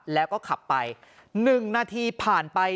แล้วก็ขับไป๑นาทีผ่านไป